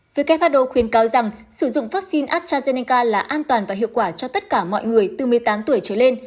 who khuyến cáo rằng sử dụng vaccine astrazeneca là an toàn và hiệu quả cho tất cả mọi người từ một mươi tám tuổi trở lên